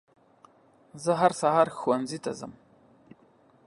زه هر سهار ښوونځي ته ځم.